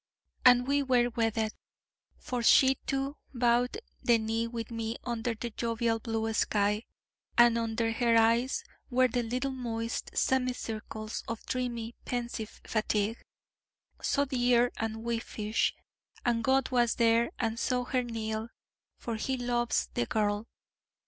And we were wedded: for she, too, bowed the knee with me under the jovial blue sky; and under her eyes were the little moist semicircles of dreamy pensive fatigue, so dear and wifish: and God was there, and saw her kneel: for He loves the girl.